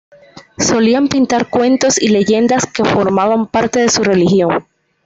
Solían pintar cuentos y leyendas que formaban parte de su religión.